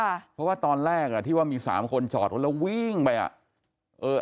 เพราะว่าตอนแรกที่ว่ามี๓คนจอดรถแล้ววิ่งไป